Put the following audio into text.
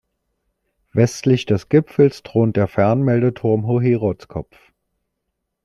Westlich des Gipfels thront der Fernmeldeturm Hoherodskopf.